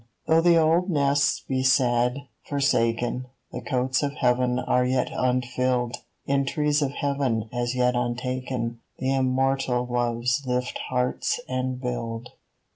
Though the old nests be sad, forsaken, The cotes of Heaven are yet unfilled : In trees of Heaven as yet untaken The immortal Loves lift hearts and build.